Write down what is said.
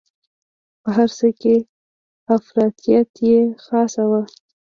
په هر څه کې افراطیت یې خاصه وه.